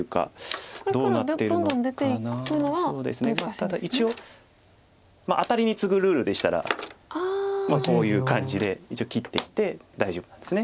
ただ一応アタリにツグルールでしたらこういう感じで一応切っていって大丈夫なんです。